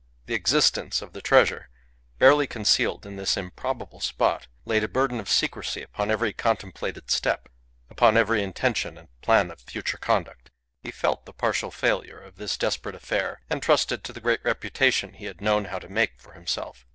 The existence of the treasure, barely concealed in this improbable spot, laid a burden of secrecy upon every contemplated step, upon every intention and plan of future conduct. He felt the partial failure of this desperate affair entrusted to the great reputation he had known how to make for himself.